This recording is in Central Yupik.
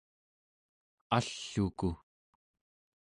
all'uku